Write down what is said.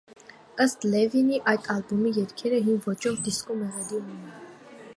Ըստ Լևինի՝ այդ ալբոմի երգերը «հին ոճով դիսկո մեղեդի» ունեն։